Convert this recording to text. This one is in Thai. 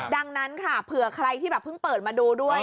ดังนั้นค่ะเผื่อใครที่แบบเพิ่งเปิดมาดูด้วย